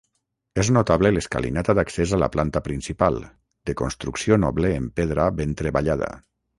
És notable l'escalinata d'accés a la planta principal, de construcció noble en pedra ben treballada.